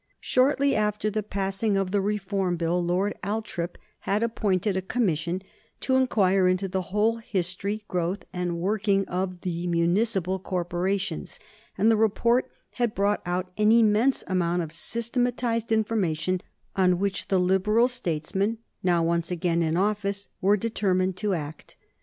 Shortly after the passing of the Reform Bill Lord Althorp had appointed a commission to inquire into the whole history, growth, and working of the municipal corporations, and the report had brought out an immense amount of systematized information on which the Liberal statesmen, now once again in office, were determined to act.